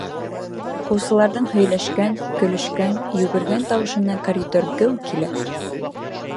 Уҡыусыларҙың һөйләшкән, көлөшкән, йүгергән тауышына коридор геү килә.